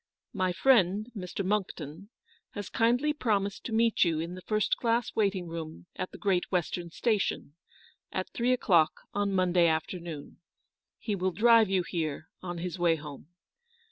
"My friend, Mr. Monckton, has kindly pro mised to meet you in the first class waiting room at the Great Western Station, at three o* clock on Monday afternoon. He will drive you here on his way home.